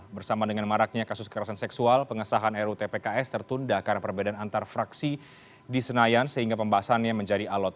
bersama dengan maraknya kasus kekerasan seksual pengesahan rutpks tertunda karena perbedaan antar fraksi di senayan sehingga pembahasannya menjadi alot